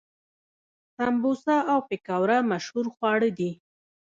سموسه او پکوړه مشهور خواړه دي.